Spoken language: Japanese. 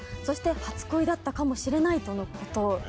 そして初恋だったかもしれないとの事。